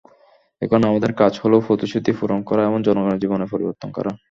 এখন আমাদের কাজ হলো প্রতিশ্রুতি পূরণ করা এবং জনগণের জীবনে পরিবর্তন আনা।